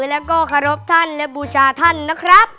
แล้วก็เคารพท่านและบูชาท่านนะครับ